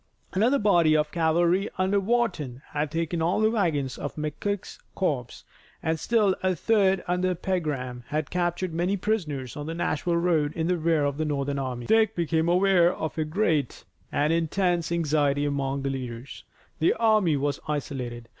Another body of cavalry under Wharton had taken all the wagons of McCook's corps, and still a third under Pegram had captured many prisoners on the Nashville road in the rear of the Northern army. Dick became aware of a great, an intense anxiety among the leaders. The army was isolated.